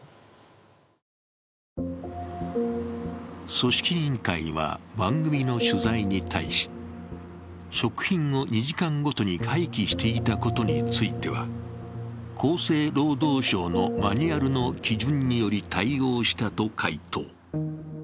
組織委員会は番組の取材に対し、食品を２時間ごとに廃棄していたことについては、厚生労働省のマニュアルの基準により対応したと回答。